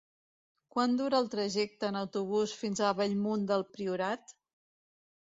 Quant dura el trajecte en autobús fins a Bellmunt del Priorat?